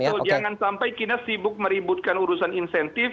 betul jangan sampai kita sibuk meributkan urusan insentif